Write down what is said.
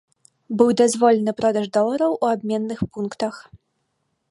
Быў дазволены продаж долараў у абменных пунктах.